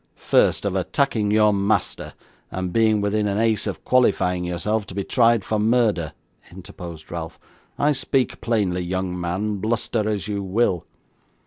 'First, of attacking your master, and being within an ace of qualifying yourself to be tried for murder,' interposed Ralph. 'I speak plainly, young man, bluster as you will.